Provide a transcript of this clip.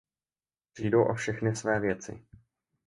Přijdou o všechny své věci.